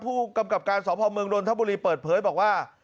ผู้กำกับการสพเมืองนทบุรีเปิดเผยบอกว่า